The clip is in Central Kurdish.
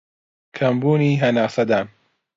کەمبوونی هەناسەدان